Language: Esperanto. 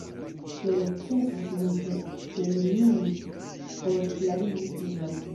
Ne necesas multe teoriumi por klarigi tion.